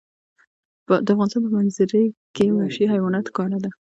د افغانستان په منظره کې وحشي حیوانات ښکاره ده.